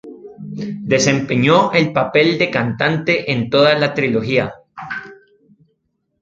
Desempeñó el papel de cantante en toda la trilogía.